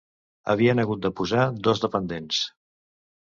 Havien hagut de posar dos dependents